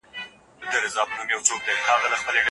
ستـړو ارمانـونو